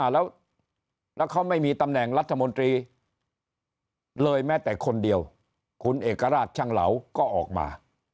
แล้วเขาไม่มีตำแหน่งรัฐมนตรีเลยแม้แต่คนเดียวคุณเอกราชช่างเหลาก็ออกมา